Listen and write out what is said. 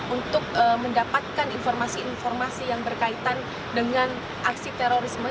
untuk mendapatkan informasi informasi yang berkaitan dengan aksi terorisme